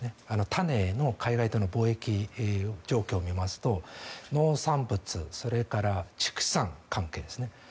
種の海外との貿易状況を見ますと農産物それから畜産関係ですね